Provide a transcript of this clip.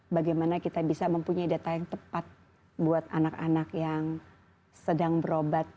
bagaimana kita bisa mempunyai data yang tepat buat anak anak yang sedang berobat